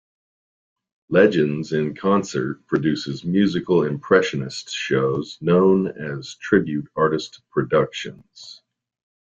Legends In Concert produces musical impressionist shows known as tribute artist productions.